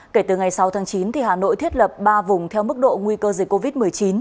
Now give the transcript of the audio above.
kể từ ngày sáu tháng chín hà nội thiết lập ba vùng theo mức độ nguy cơ dịch covid một mươi chín